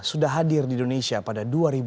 sudah hadir di indonesia pada dua ribu dua puluh